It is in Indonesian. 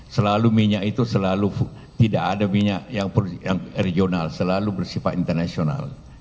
selalu minyak itu selalu tidak ada minyak yang regional selalu bersifat internasional